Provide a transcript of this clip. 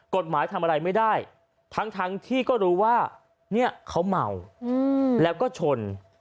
ทำอะไรไม่ได้ทั้งที่ก็รู้ว่าเนี่ยเขาเมาแล้วก็ชน